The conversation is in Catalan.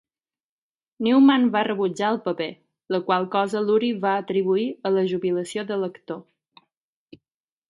Newman va rebutjar el paper, la qual cosa Lurie va atribuir a la jubilació de l"actor.